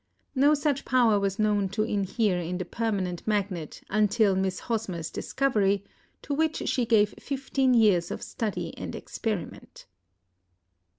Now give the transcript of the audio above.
No such power was known to inhere in the permanent magnet until Miss Hosmer's discovery, to which she gave fifteen years of study and experiment.